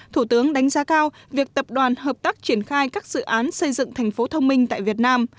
thủ tướng đánh giá cao việc tập đoàn hợp tác triển khai các dự án xây dựng thành phố thông minh tại việt nam